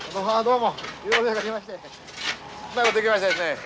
うまいこといきましたですね。